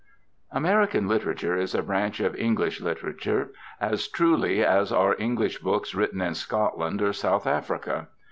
AMERICAN literature is a branch of English literature, as truly as are English books written in Scotland or South Africa.